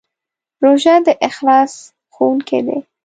روژه د اخلاص ښوونکی دی.